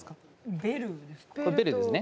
ベルですね。